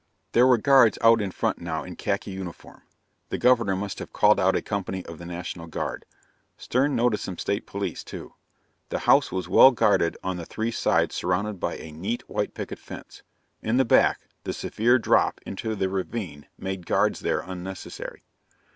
There were guards out in front now in khaki uniform; the Governor must have called out a company of the National Guard. Stern noticed some state police, too. The house was well guarded on the three sides surrounded by a neat, white picket fence. In the back, the severe drop into the ravine made guards there unnecessary.